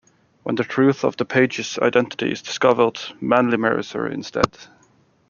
When the truth of the page's identity is discovered, Manly marries her instead.